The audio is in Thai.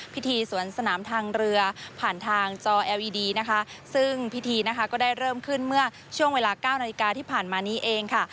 พิธีสวนสนามทางเรือผ่านทางจอเอลอีดีนะคะซึ่งพิธีนะคะก็ได้เริ่มขึ้นเมื่อช่วงเวลาเก้านาฬิกาที่ผ่านมานี้เองค่ะ